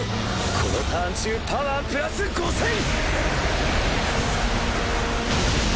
このターン中パワープラス５０００！